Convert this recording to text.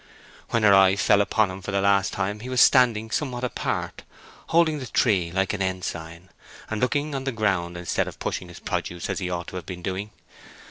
When her eye fell upon him for the last time he was standing somewhat apart, holding the tree like an ensign, and looking on the ground instead of pushing his produce as he ought to have been doing.